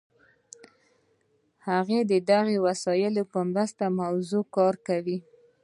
هغه د دې وسایلو په مرسته په موضوع کار کوي.